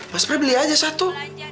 mas bra beli aja satu